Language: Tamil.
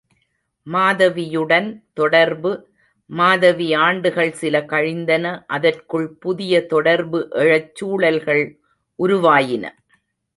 மாதவியுடன் தொடர்பு மாதவி ஆண்டுகள் சில கழிந்தன அதற்குள் புதிய தொடர்பு எழச் சூழல்கள் உருவாயின.